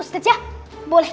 ustaz ya boleh